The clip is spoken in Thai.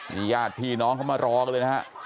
มีญาติพี่น้องเขามารอกันเลยนะฮะ